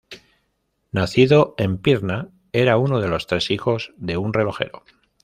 Nacido en Pirna, era uno de los tres hijos de un relojero.